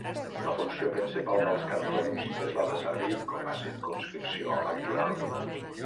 La funció principal dels cantons és la de servir com a circumscripció electoral.